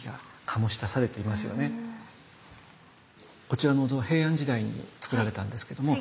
こちらのお像は平安時代に造られたんですけども